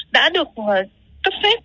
đã được cấp phép